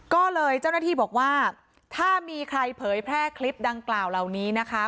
ก็เลยเจ้าหน้าที่บอกว่าถ้ามีใครเผยแพร่คลิปดังกล่าวเหล่านี้นะคะ